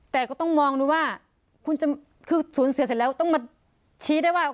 แต่ก็ต้องมองดูว่าคุณจะคือสูญเสียเสร็จแล้วต้องมาชี้ได้ว่า